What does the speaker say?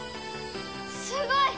すごい！